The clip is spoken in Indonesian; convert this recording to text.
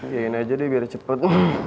ya ini aja deh biar cepet